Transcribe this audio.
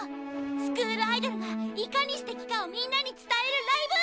スクールアイドルがいかにすてきかをみんなに伝えるライブ！